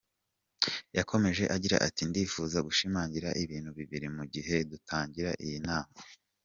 Yakomeje agira ati “Ndifuza gushimangira ibintu bibiri mu gihe dutangira iyi nama.